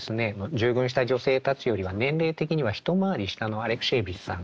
従軍した女性たちよりは年齢的には一回り下のアレクシエーヴィチさんがですね